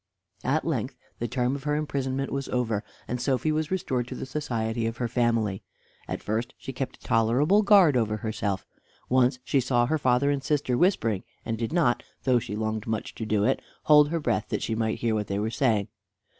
At length the term of her imprisonment was over, and Sophy was restored to the society of her family. At first she kept a tolerable guard over herself. Once she saw her father and sister whispering, and did not, though she longed much to do it, hold her breath that she might hear what they were saying.